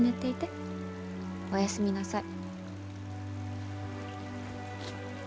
おやすみなさい。